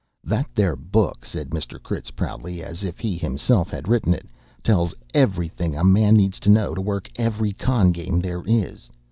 "That there book," said Mr. Critz proudly, as if he himself had written it, "tells everything a man need to know to work every con' game there is.